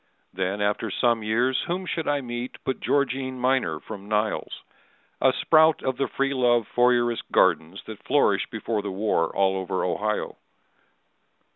Then after some years whom should I meet But Georgine Miner from Niles—a sprout Of the free love, Fourierist gardens that flourished Before the war all over Ohio.